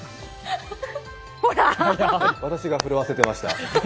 私が震わせてました。